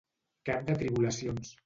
Cap de tribulacions.